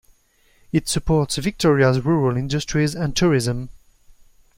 It supports Victoria's rural industries and tourism.